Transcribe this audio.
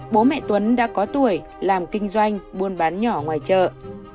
bố mẹ tuấn đã có tuổi làm kinh doanh buôn bán nhỏ ngoài chợ